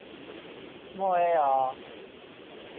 もうええよ。